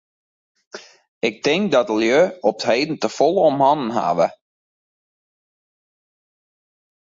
Ik tink dat de lju op 't heden te folle om hannen hawwe.